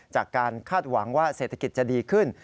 คาดหวังว่าเศรษฐกิจจะดีขึ้น